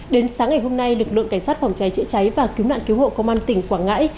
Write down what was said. đến sáng ngày hôm nay lực lượng cảnh sát phòng cháy chữa cháy và cứu nạn cứu hộ công an tỉnh quảng ngãi